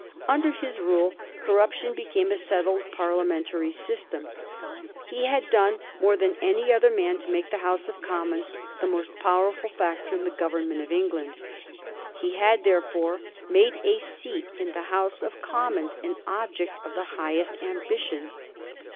Under his rule corruption became a settled Parliamentary system. He had done more than any other man to make the House of Commons the most powerfiil factor in tlie government of England. He had therefore made a seat in the House of Commons an object of the highest ambition.